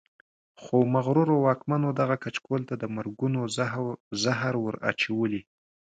خو مغرورو واکمنو دغه کچکول ته د مرګونو زهر ور اچولي.